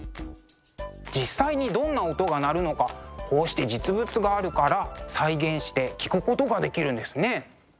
実際にどんな音が鳴るのかこうして実物があるから再現して聴くことができるんですね。